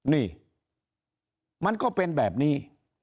นี่มันก็เป็นแบบนี้